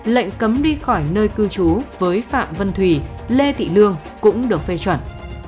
lệnh cấm đi khỏi nơi cư trú với phạm vân thùy lê thị lương cũng được phê chuẩn